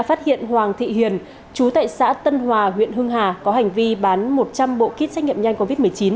phát hiện hoàng thị hiền chú tại xã tân hòa huyện hưng hà có hành vi bán một trăm linh bộ kit xét nghiệm nhanh covid một mươi chín